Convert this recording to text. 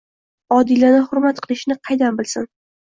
Odilani hurmat qilishini qaydan bilsin?!